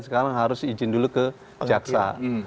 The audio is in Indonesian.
sekarang harus izin dulu ke jaksa